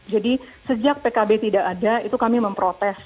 jadi sejak pkb tidak ada itu kami memprotes